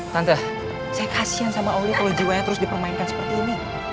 tante saya kasian sama allah kalau jiwanya terus dipermainkan seperti ini